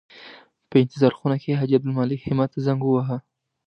په انتظار خونه کې حاجي عبدالمالک همت ته زنګ وواهه.